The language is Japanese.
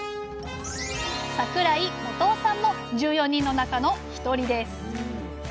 桜井元雄さんも１４人の中の１人です。